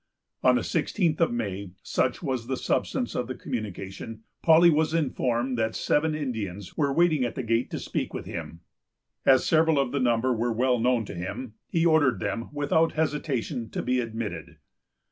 On the sixteenth of May——such was the substance of the communication——Paully was informed that seven Indians were waiting at the gate to speak with him. As several of the number were well known to him, he ordered them, without hesitation, to be admitted.